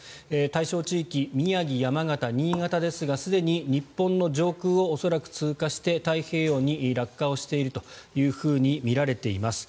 対象地域宮城、山形、新潟ですがすでに日本の上空を恐らく通過して太平洋に落下しているとみられています。